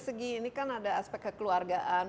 segi ini kan ada aspek kekeluargaan